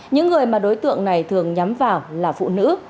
những người mà đối tượng này thường nhắm vào là phụ nữ